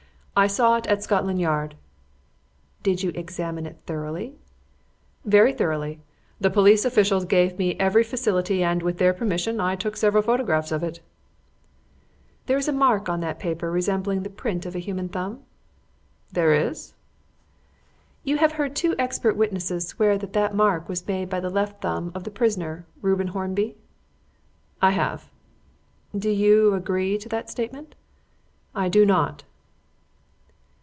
I saw it at Scotland Yard." "Did you examine it thoroughly?" "Very thoroughly. The police officials gave me every facility and, with their permission, I took several photographs of it." "There is a mark on that paper resembling the print of a human thumb?" "There is." "You have heard two expert witnesses swear that that mark was made by the left thumb of the prisoner, Reuben Hornby?" "I have." "Do you agree to that statement?" "I do not."